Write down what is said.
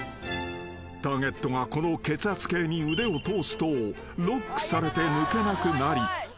［ターゲットがこの血圧計に腕を通すとロックされて抜けなくなり］